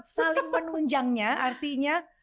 salah penunjangnya artinya